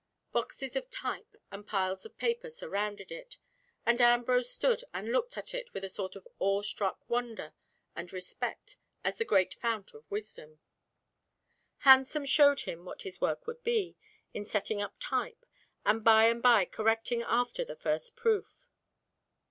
Boxes of type and piles of paper surrounded it, and Ambrose stood and looked at it with a sort of awe struck wonder and respect as the great fount of wisdom. Hansen showed him what his work would be, in setting up type, and by and by correcting after the first proof.